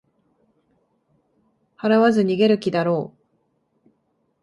払わず逃げる気だろう